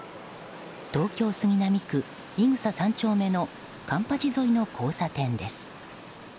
東京・杉並区井草３丁目の環八沿いの交差点です。